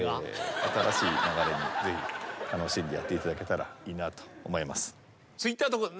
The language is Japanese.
新しい流れにぜひ楽しんでやっていただけたらいいなと思います。